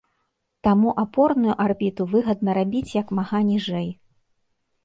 Таму апорную арбіту выгадна рабіць як мага ніжэй.